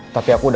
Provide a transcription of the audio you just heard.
tapi aku udah